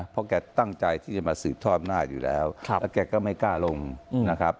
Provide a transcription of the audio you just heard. เพราะแกตั้งใจที่จะมาสืบทอดหน้าอยู่แล้วแล้วแกก็ไม่กล้าลงนะครับ